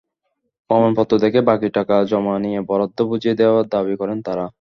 প্রমাণপত্র দেখে বাকি টাকা জমা নিয়ে বরাদ্দ বুঝিয়ে দেওয়ার দাবি করেন তাঁরা।